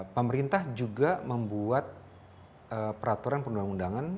pemerintah juga membuat peraturan perundang undangan